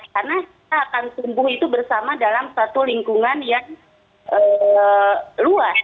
karena kita akan tumbuh itu bersama dalam satu lingkungan yang luas